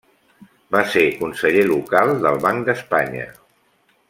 Va ser conseller local del Banc d'Espanya.